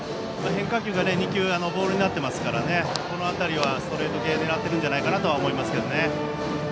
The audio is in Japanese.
変化球が２球ボールになっていますからこの辺りはストレート系を狙っていると思います。